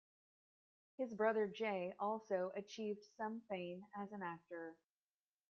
His brother Jay also achieved some fame as an actor.